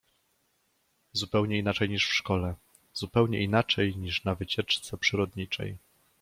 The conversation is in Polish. Zupełnie inaczej niż w szkole, zupełnie inaczej niż na wycieczce przyrodniczej.